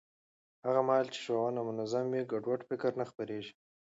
هغه مهال چې ښوونه منظم وي، ګډوډ فکر نه خپرېږي.